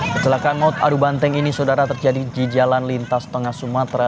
kecelakaan maut adu banteng ini saudara terjadi di jalan lintas tengah sumatera